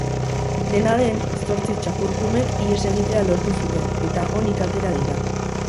Dena den, zortzi txakurkumek ihes egitea lortu zuten eta onik atera dira.